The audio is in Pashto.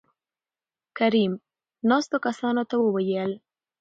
کريم : ناستو کسانو ته وويل